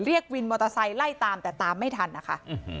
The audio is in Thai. เรียกวินมอเตอร์ไซค์ไล่ตามแต่ตามไม่ทันนะคะ